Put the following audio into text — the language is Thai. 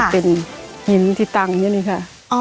เป็นหินที่ตั้งอยู่นี่ค่ะ